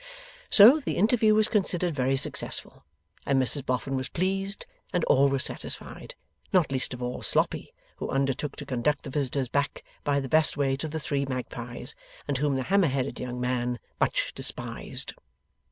So, the interview was considered very successful, and Mrs Boffin was pleased, and all were satisfied. Not least of all, Sloppy, who undertook to conduct the visitors back by the best way to the Three Magpies, and whom the hammer headed young man much despised.